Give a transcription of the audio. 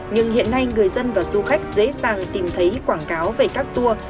nhưng hiện nay người dân và du khách dễ dàng tìm thấy quảng cáo về các tour